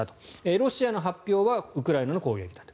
ロシアの発表はウクライナの攻撃だと。